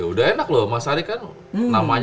udah enak loh mas hari kan